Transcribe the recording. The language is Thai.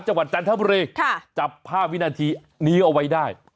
จังหวัดจันทบุรีจับ๕วินาทีนี้เอาไว้ได้ค่ะ